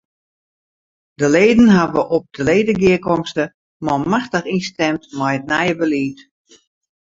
De leden hawwe op de ledegearkomste manmachtich ynstimd mei it nije belied.